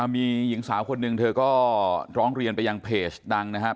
มีหญิงสาวคนหนึ่งเธอก็ร้องเรียนไปยังเพจดังนะครับ